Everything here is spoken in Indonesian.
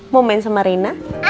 mau main sama reina